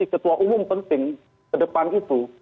ketua umum penting ke depan itu